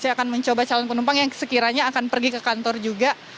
saya akan mencoba calon penumpang yang sekiranya akan pergi ke kantor juga